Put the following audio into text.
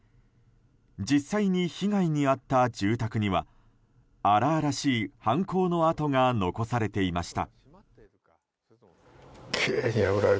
実際に被害に遭った住宅には荒々しい犯行の跡が残されていました。